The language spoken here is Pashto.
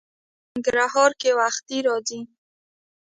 بادرنګ په ننګرهار کې وختي راځي